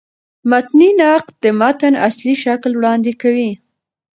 متني نقد د متن اصلي شکل وړاندي کوي.